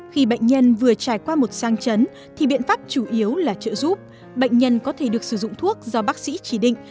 khi bệnh nhân vừa trải qua một sang chấn thì biện pháp chủ yếu là trợ giúp bệnh nhân có thể được sử dụng thuốc do bác sĩ chỉ định